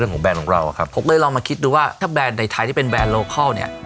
ก็เลยเรามาคิดดูว่าแบรนด์ใดไทยที่เป็นแบรนด์โลเคิลเนี่ย